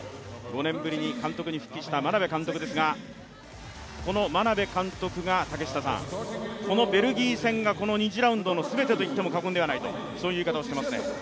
５年ぶりに監督に復帰した眞鍋監督ですがこの眞鍋監督がこのベルギー戦が２次ラウンドの全てといっても過言ではないという言い方をしていますね。